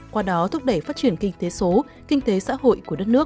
qua đó thúc đẩy phát triển kinh tế số kinh tế xã hội của đất nước